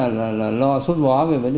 bây giờ rất là lo sốt vó về bán lẻ